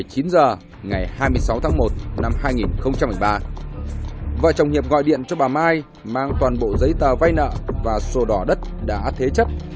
một mươi chín h ngày hai mươi sáu tháng một năm hai nghìn một mươi ba vợ chồng hiệp gọi điện cho bà mai mang toàn bộ giấy tờ vay nợ và sổ đỏ đất đã thế chấp